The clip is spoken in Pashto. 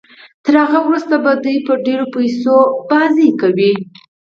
تر هغه وروسته به دوی په ډېرو پيسو لوبې کوي.